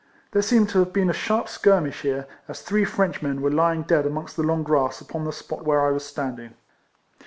There seemed to have been a sharp skirmish here, as three Frenchmen were lying dead amongst the long grass upon the spot were I was standing.